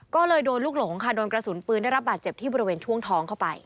ก็เลยโดนลูกหลงค่ะโดนกระสุนปืนได้รับบาดเจ็บที่บริเวณช่วงท้องเข้าไป